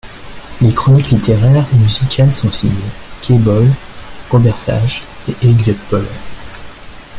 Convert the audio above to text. Les chroniques littéraires et musicales sont signées Kay Boyle, Robert Sage et Elliot Paul.